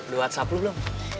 di whatsapp lu belum